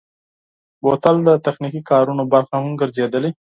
بوتل د تخنیکي کارونو برخه هم ګرځېدلی.